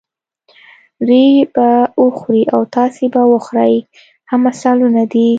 دوی به وخوري او تاسې به وخورئ هم مثالونه دي.